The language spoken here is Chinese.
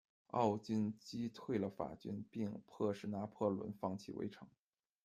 奥军击退了法军，并迫使拿破仑放弃围城。